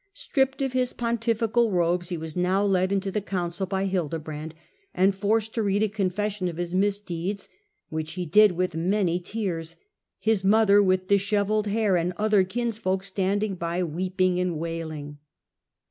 Stripped of his pontifical robes, he was now led into the council by Hildebrand, and forced to read a confession of his misdeeds, which he did with many tears, his mother, with dishevelled hair, and other kins folk standing by weeping and wailing.